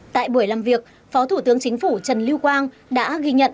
tại buổi làm việc phó thủ tướng chính phủ trần lưu quang đã ghi nhận